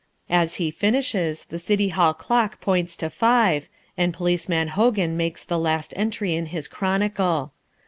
As he finishes the City Hall clock points to five, and Policeman Hogan makes the last entry in his chronicle.